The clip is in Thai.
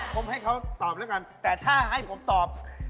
ผมให้เขาตอบแล้วกันแต่ถ้าให้ผมตอบ